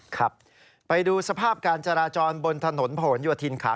ครับไปดูสภาพการจราจรบนถนนผนโยธินขา